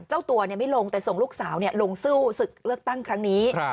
เจ้าตัวไม่ลงแต่ส่งลูกสาวลงสู้ศึกเลือกตั้งครั้งนี้